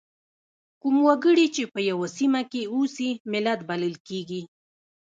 کوم وګړي چې په یوه سیمه کې اوسي ملت بلل کیږي.